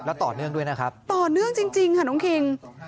แล้วต่อเนื่องด้วยนะครับต่อเนื่องจริงค่ะน้องคิง